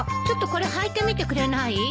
ちょっとこれはいてみてくれない？